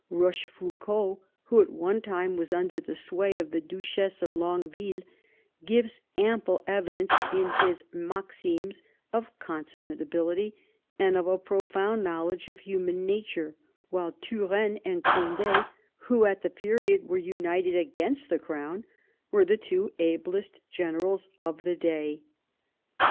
Eochef oucauld, who at one time was under the sway of the Duchess of Longueville, gives ample evidence in his Maximes of con summate ability and of a profound knowledge of human nature; while Turenne and Cond^, who at the period were united against the crown, were the two ablest generals of the day.